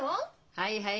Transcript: はいはい。